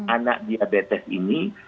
anak diabetes ini